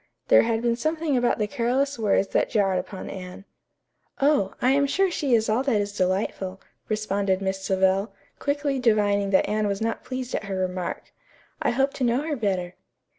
There had been something about the careless words that jarred upon Anne. "Oh, I am sure she is all that is delightful," responded Miss Savell, quickly divining that Anne was not pleased at her remark. "I hope to know her better."